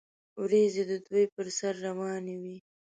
وریځې د دوی پر سر روانې وې.